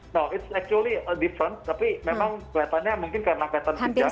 nah itu sebenarnya berbeda tapi memang kelihatannya mungkin karena keterlaluan pijat